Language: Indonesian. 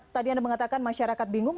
tadi anda mengatakan masyarakat bingung